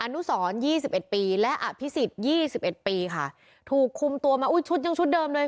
นุสรยี่สิบเอ็ดปีและอภิษฎยี่สิบเอ็ดปีค่ะถูกคุมตัวมาอุ้ยชุดยังชุดเดิมเลย